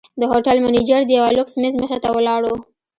د هوټل منیجر د یوه لوکس میز مخې ته ولاړ و.